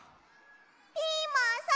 ピーマンさん！